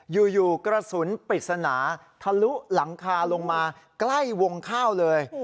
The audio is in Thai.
อยู่กระสุนปริศนาทะลุหลังคาลงมาใกล้วงข้าวเลย